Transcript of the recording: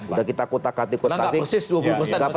udah kita kota kati kota